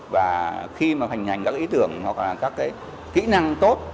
và khi mà hành hành các ý tưởng hoặc là các cái kỹ năng tốt